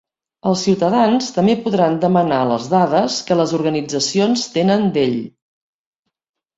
Els ciutadans també podran demanar les dades que les organitzacions tenen d'ell.